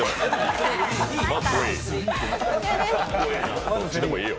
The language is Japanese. どっちでもいいよ。